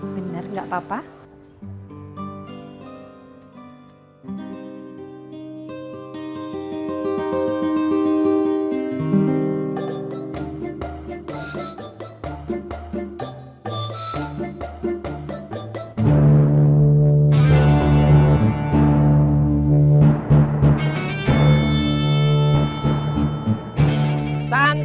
benar tidak apa apa